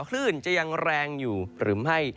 คลื่นจะยังแรงอยู่หรือไม่